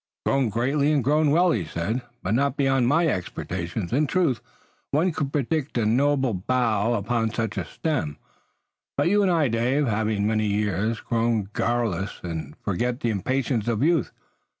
"Grown greatly and grown well," he said, "but not beyond my expectations. In truth, one could predict a noble bough upon such a stem. But you and I, Dave, having many years, grow garrulous and forget the impatience of youth.